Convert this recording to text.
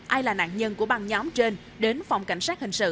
ai là nạn nhân của băng nhóm trên đến phòng cảnh sát hình sự